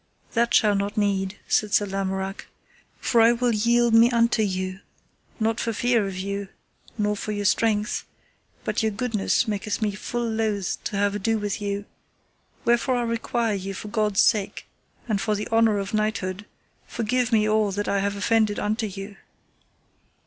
That shall not need, said Sir Lamorak, for I will yield me unto you, not for fear of you, nor for your strength, but your goodness maketh me full loath to have ado with you; wherefore I require you for God's sake, and for the honour of knighthood, forgive me all that I have offended unto you.